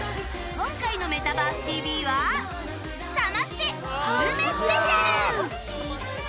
今回の「メタバースＴＶ！！」はサマステグルメスペシャル！